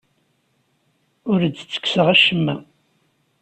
Ur d-ttekkseɣ acemma.